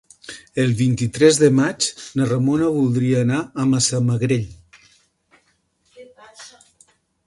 El vint-i-tres de maig na Ramona voldria anar a Massamagrell.